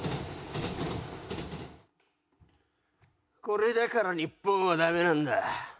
これだから日本はダメなんだ。